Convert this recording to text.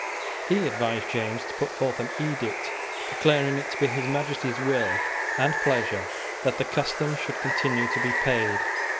He advised James to put forth an edict declaring it to be His Majesty's will and pleasure that the customs should continue to be paid.